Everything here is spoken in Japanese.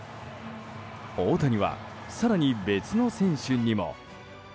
大谷は更に別の選手にも。